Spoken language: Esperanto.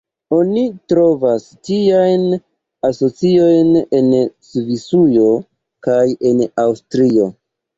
Oni trovas tiajn asociojn en Svisujo kaj en Aŭstrio.